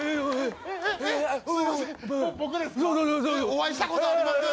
お会いしたことあります？